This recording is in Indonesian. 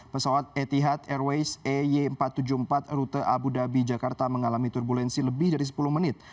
pesawat etihad airways ey empat ratus tujuh puluh empat rute abu dhabi jakarta mengalami turbulensi lebih dari sepuluh menit